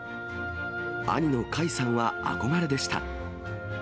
兄の魁さんは憧れでした。